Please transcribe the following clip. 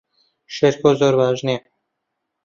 شێرکۆ زۆر باش نییە.